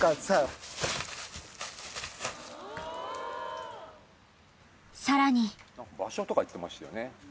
さらに場所とか言ってましたよね